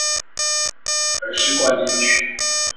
而是灌進去